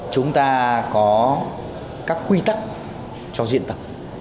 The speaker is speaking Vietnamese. chúng ta có các quy tắc cho diễn tập